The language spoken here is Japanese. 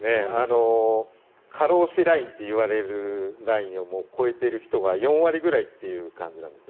過労死ラインといわれるラインをもう超えている人が４割ぐらいという感じなんです。